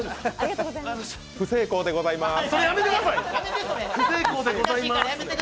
不成功でございます。